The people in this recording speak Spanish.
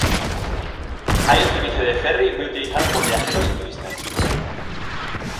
Hay un servicio de ferry muy utilizado por viajeros y turistas.